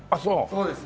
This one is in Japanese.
そうです。